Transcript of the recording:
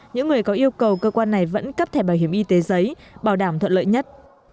những người có yêu cầu cơ quan này vẫn cấp thẻ bảo hiểm y tế giấy bảo đảm thuận lợi nhất